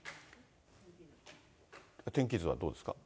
天気図はどうですか？